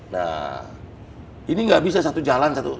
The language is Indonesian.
nah ini nggak bisa satu jalan satu